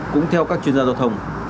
cũng theo các chuyên gia giao thông